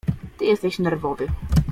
Ty jesteś nerwowy.